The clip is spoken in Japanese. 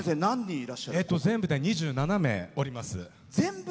全部で２７名、おります。